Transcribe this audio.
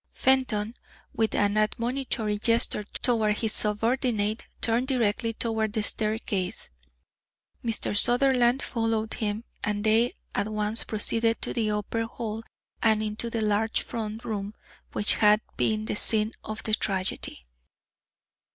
Fenton, with an admonitory gesture toward his subordinate, turned directly toward the staircase. Mr. Sutherland followed him, and they at once proceeded to the upper hall and into the large front room which had been the scene of the tragedy.